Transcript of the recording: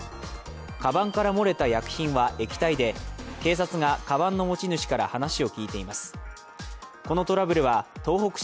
かばんから漏れた薬品は液体で、警察がかばんの持ち主から話を聞いています。